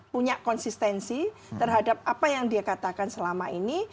punya konsistensi terhadap apa yang dia katakan selama ini